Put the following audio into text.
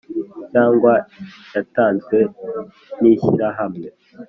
Cyangwa yatanzwe n ishyirahamwe